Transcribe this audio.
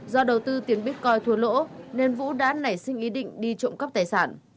do đầu tư tiền bitcoin thua lỗ nên vũ đã nảy sinh ý định đi trộm cắp tài sản